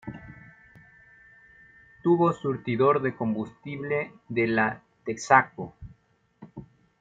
Tuvo surtidor de combustible de la Texaco.